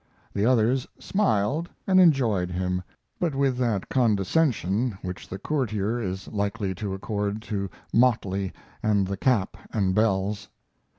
The others smiled and enjoyed him, but with that condescension which the courtier is likely to accord to motley and the cap and bells.